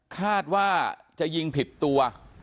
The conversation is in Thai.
คาดว่าจะยิงผิดตัว